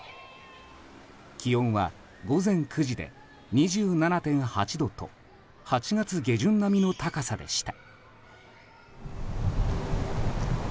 気温は午前９時で２７．８度と８月下旬並みの高さでした。